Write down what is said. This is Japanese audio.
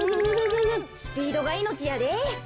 スピードがいのちやで。